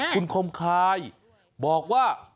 คุณคมคายบอกว่า